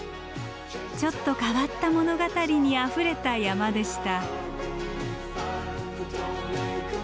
ちょっと変わった物語にあふれた山でした。